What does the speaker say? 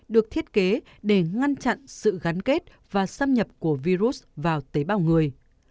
được thiết kế để ngăn chặn sự gắn kết và xâm nhập của virus vào tế bào người